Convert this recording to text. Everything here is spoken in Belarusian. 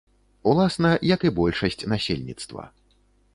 Уласна, як і большасць насельніцтва.